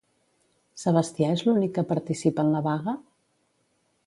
Sebastià és l'únic que participa en la vaga?